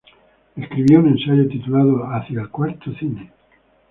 Escribió un ensayo titulado Hacia el cuarto cine.